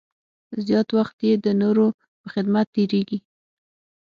زیات وخت یې د نورو په خدمت کې تېرېږي.